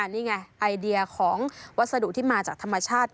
นี่ไงไอเดียของวัสดุที่มาจากธรรมชาติ